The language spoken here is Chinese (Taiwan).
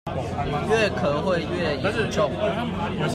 越咳會越嚴重